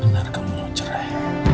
benar kamu mau cerai